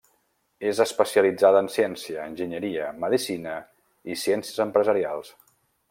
És especialitzada en ciència, enginyeria, medicina i ciències empresarials.